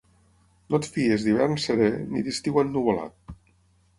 No et fiïs d'hivern seré ni d'estiu ennuvolat.